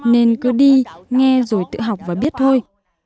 nên cứ đi nghe rồi tự học và biết thôi